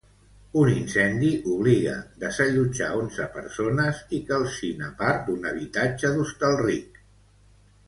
Un incendi obliga desallotjar onze persones i calcina part d'un habitatge d'Hostalric.